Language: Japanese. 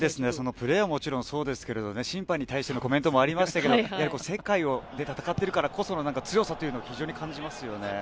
プレーはもちろんそうですけど審判に対してのコメントもありましたけども世界で戦っているからこその強さを感じますよね。